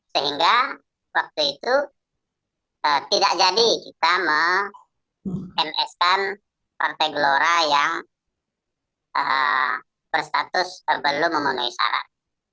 sehingga waktu itu tidak jadi kita meng ms kan partai gelora yang berstatus belum memenuhi syarat